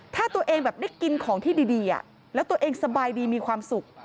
ถ้าตัวเองแบบได้กินของที่ดีแล้วตัวเองสบายดีมีความสุข